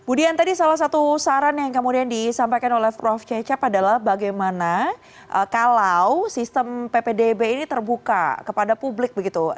budian tadi salah satu saran yang kemudian disampaikan oleh prof cecep adalah bagaimana kalau sistem ppdb ini terbuka kepada publik begitu